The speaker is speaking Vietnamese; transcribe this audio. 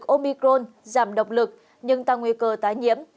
omicron giảm độc lực nhưng tăng nguy cơ tái nhiễm